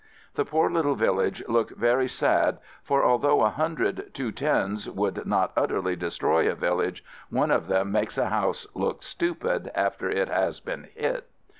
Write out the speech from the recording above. The poor little village looked very 42 AMERICAN AMBULANCE sad, for although a hundred " 210's " would not utterly destroy a village, one of them makes a house look stupid after it has been hit.